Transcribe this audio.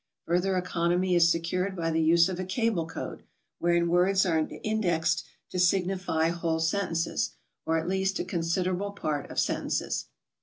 Further economy is secured by the use of a cable code, wherein words are indexed to signify whole sentences, or at least a considerable part of sentences.